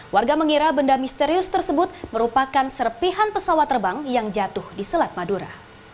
warga mengira benda misterius tersebut merupakan serpihan pesawat terbang yang jatuh di selat madura